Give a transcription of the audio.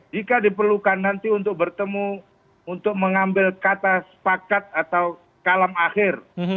jika diperlukan nanti untuk bertemu untuk mengambil kata sepakat atau kalam akhir